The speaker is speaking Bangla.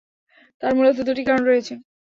তার মূলত দুটি কারণ রয়েছে।